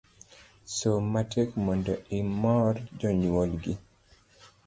Som matek mondo imor jonyuol gi